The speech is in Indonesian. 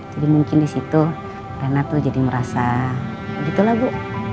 mungkin di situ enak tuh jadi merasa gitu lah bu